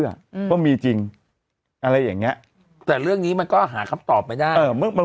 อืมก็มีจริงอะไรอย่างเงี้ยแต่เรื่องนี้มันก็หาคำตอบไม่ได้เออ